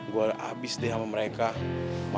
gua abis deh sama mereka deh